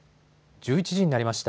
１１時になりました。